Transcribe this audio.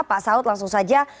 pak saud langsung saja